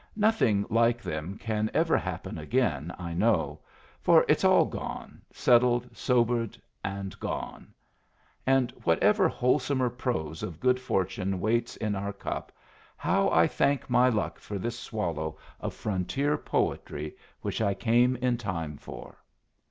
Nothing like them can ever happen again, I know; for it's all gone settled, sobered, and gone. And whatever wholesomer prose of good fortune waits in our cup, how I thank my luck for this swallow of frontier poetry which I came in time for!